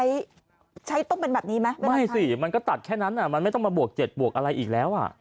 ใช้ใช้ต้องเป็นแบบนี้ไหมไม่สิมันก็ตัดแค่นั้นอ่ะมันไม่ต้องมาบวกเจ็ดบวกอะไรอีกแล้วอ่ะ